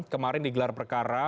kemarin di gelar perkara